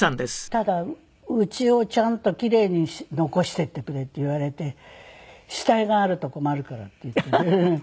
ただ「うちをちゃんとキレイに残してってくれ」って言われて「死体があると困るから」って言って連絡が。